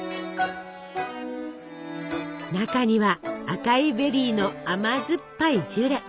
中には赤いベリーの甘酸っぱいジュレ。